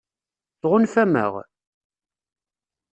Tɣunfam-aɣ?